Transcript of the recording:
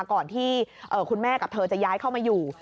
ก่อนที่คุณแม่กับเธอจะย้ายเข้ามาอยู่